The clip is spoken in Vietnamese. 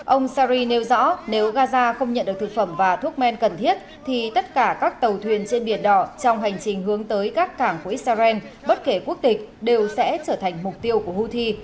ông sari nêu rõ nếu gaza không nhận được thực phẩm và thuốc men cần thiết thì tất cả các tàu thuyền trên biển đỏ trong hành trình hướng tới các cảng của israel bất kể quốc tịch đều sẽ trở thành mục tiêu của houthi